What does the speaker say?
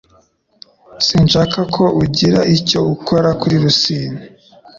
Sinshaka ko ugira icyo ukora kuri Rusine